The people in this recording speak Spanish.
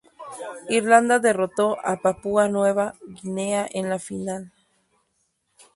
Irlanda derrotó a Papúa Nueva Guinea en la final.